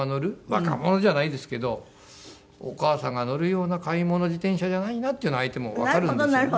若者じゃないですけどお母さんが乗るような買い物自転車じゃないなっていうのは相手もわかるんでしょうね。